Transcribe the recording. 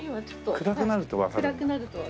暗くなるとわかる。